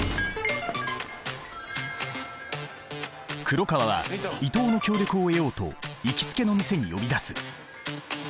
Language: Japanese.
黒川は伊藤の協力を得ようと行きつけの店に呼び出す。